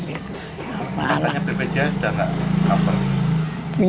katanya bpj dan kampung